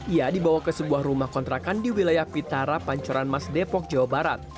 ia dibawa ke sebuah rumah kontrakan di wilayah pitara pancoran mas depok jawa barat